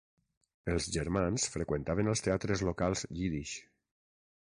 Els germans freqüentaven els teatres locals jiddisch.